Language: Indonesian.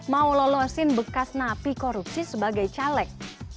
mau lolosin bekas napi korupsi sebagai caleg